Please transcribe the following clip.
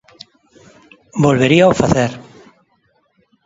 Volveríao facer.